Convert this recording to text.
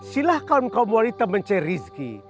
silahkan kaum wanita mencari rizki